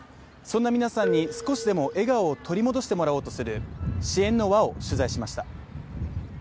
そんな皆さんに少しでも笑顔を取り戻してもらおうとする支援の輪を取材しました。